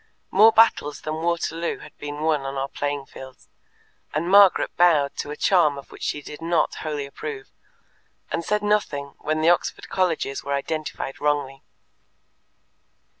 More battles than Waterloo have been won on our playing fields, and Margaret bowed to a charm of which she did not wholly approve, and said nothing when the Oxford colleges were identified wrongly.